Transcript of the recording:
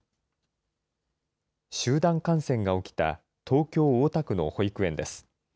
集団感染が起きた東京・大田区の保育園です。